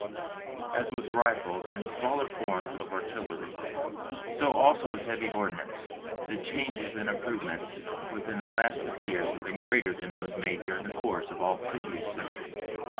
As with rifles and the smaller forms of artillery, so also with heavy ordnance, the changes and improvements within the last fifty years have been greater than those made during the course of all the previous centuries.